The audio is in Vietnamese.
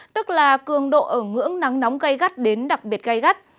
tức là cường độ ở ngưỡng nắng nóng gây gắt đến đặc biệt gai gắt